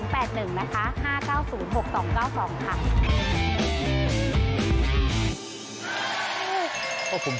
ผมชอบได้เย็นแต่โฟล์แบบนี้